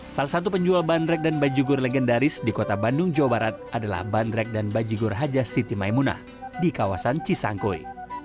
salah satu penjual bandrek dan bajugur legendaris di kota bandung jawa barat adalah bandrek dan bajigur haja siti maimunah di kawasan cisangkui